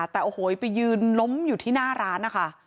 แต่โอ้โหไปยืนล้มอยู่ที่หน้าร้านนะคะ